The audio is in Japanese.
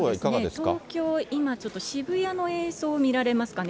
東京、今ちょっと、渋谷の映像、見られますかね。